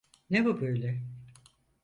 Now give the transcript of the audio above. Ne bu böyle?